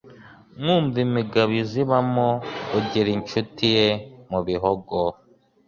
Nkumva imigabo izibamo Ugira inshuti ye mu Bihogo